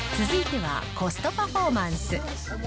続いては、コストパフォーマンス。